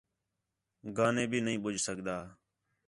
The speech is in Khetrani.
گا نے بھی نہیں ٻُجھ سڳدا